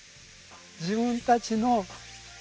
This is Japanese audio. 自分たちの努力